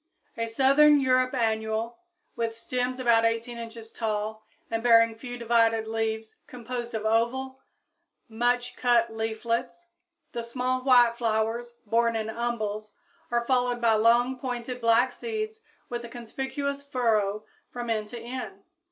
a southern Europe annual, with stems about 18 inches tall and bearing few divided leaves composed of oval, much cut leaflets. The small white flowers, borne in umbels, are followed by long, pointed, black seeds with a conspicuous furrow from end to end.